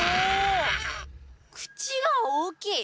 口が大きい！